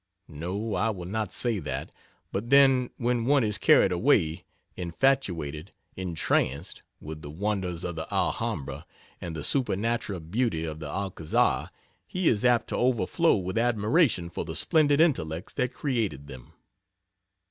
No, I will not say that, but then when one is carried away, infatuated, entranced, with the wonders of the Alhambra and the supernatural beauty of the Alcazar, he is apt to overflow with admiration for the splendid intellects that created them.